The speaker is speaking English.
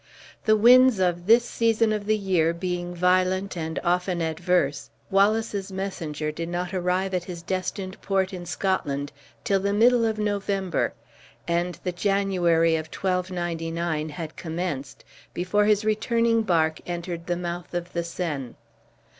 The winds of this season of the year being violent and often adverse. Wallace's messenger did not arrive at his destined port in Scotland till the middle of November, and the January of 1299 had commenced before his returning bark entered the mouth of the Seine.